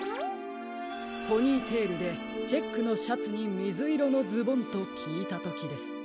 ポニーテールでチェックのシャツにみずいろのズボンときいたときです。